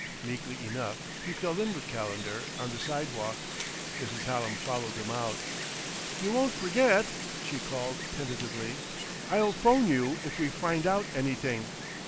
Meekly enough he fell in with Calendar on the sidewalk. Mrs. Hallam followed them out. "You won't forget?" she called tentatively. "I'll 'phone you if we find out anything."